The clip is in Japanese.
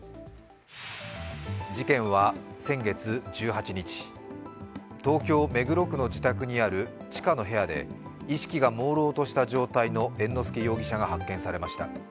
事件は先月１８日、東京・目黒区の自宅にある地下の部屋で意識がもうろうとした状態の猿之助容疑者が発見されました。